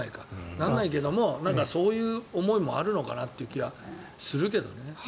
ならないけどそういう思いもあるのかなという気がするけどね。